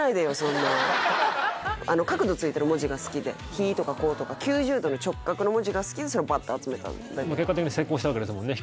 角度ついてる文字が好きで「ヒ」とか「コ」とか９０度の直角の文字が好きでそれをバッて集めたわけですもんね